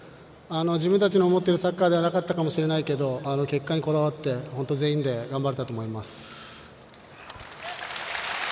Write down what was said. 自分たちの思っているサッカーではなかったかもしれないけど結果にこだわって本当、全員で頑張ったと思います。